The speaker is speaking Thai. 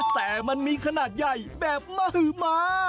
แต่มันมีขนาดใหญ่แบบมหมา